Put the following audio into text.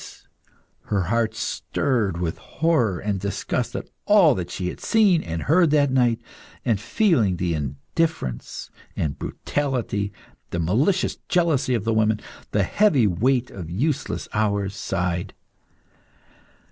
Thais, her heart stirred with horror and disgust at all she had seen and heard that night, and feeling the indifference and brutality, the malicious jealousy of women, the heavy weight of useless hours, sighed.